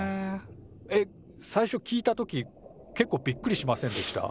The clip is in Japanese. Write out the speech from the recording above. えっ最初聞いた時けっこうびっくりしませんでした？